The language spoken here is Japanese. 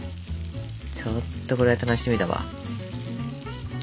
ちょっとこれは楽しみだわ。